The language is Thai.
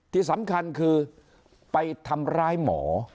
ที่สำคัญคือไปทำร้ายหมอ